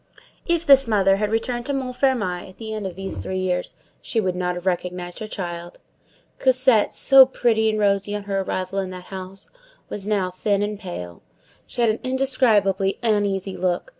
If this mother had returned to Montfermeil at the end of these three years, she would not have recognized her child. Cosette, so pretty and rosy on her arrival in that house, was now thin and pale. She had an indescribably uneasy look.